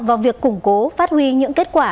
vào việc củng cố phát huy những kết quả